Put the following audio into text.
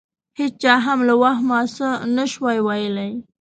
هېچا هم له وهمه څه نه شوای ویلای.